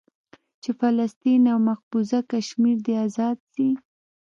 چې فلسطين او مقبوضه کشمير دې ازاد سي.